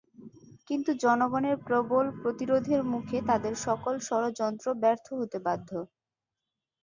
কিন্তু জনগণের প্রবল প্রতিরোধের মুখে তাদের সকল ষড়যন্ত্র ব্যর্থ হতে বাধ্য।